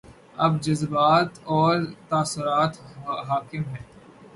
اب جذبات اور تاثرات حاکم ہیں۔